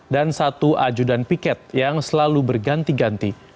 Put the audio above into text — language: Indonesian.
dan satu ajudan piket yang selalu berganti ganti